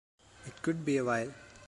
It could be a while.